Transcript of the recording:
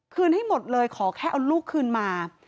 ให้หมดเลยขอแค่เอาลูกคืนมา